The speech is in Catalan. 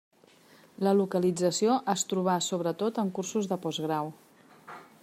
La localització es trobà sobretot en cursos de postgrau.